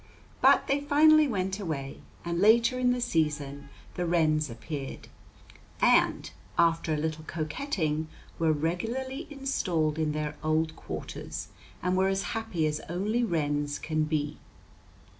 But they finally went away, and later in the season the wrens appeared, and, after a little coquetting, were regularly installed in their old quarters, and were as happy as only wrens can be.